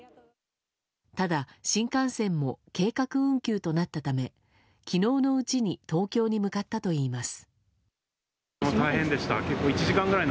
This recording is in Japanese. ただ、新幹線も計画運休となったため昨日のうちに東京に向かったといいます。